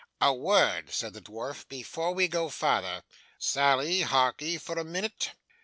'A word,' said the dwarf, 'before we go farther. Sally, hark'ee for a minute.